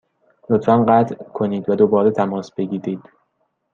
لطفا قطع کنید و دوباره تماس بگیرید.